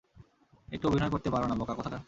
একটু অভিনয় করতে পারো না, বোকা কোথাকার?